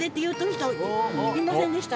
いませんでした？